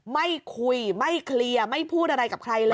ไม่คุยไม่เคลียร์ไม่พูดอะไรกับใครเลย